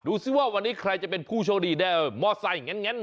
ดูซึ่งว่าวันนี้ใครจะเป็นผู้โชว์ดีได้มอสไซด์งั้น